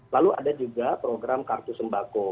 lalu ada juga program kartu sembako